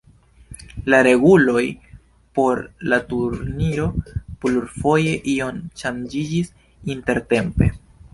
La reguloj por la turniro plurfoje iom ŝanĝiĝis intertempe.